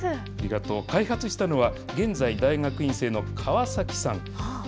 開発したのは現在、大学院生の川崎さん。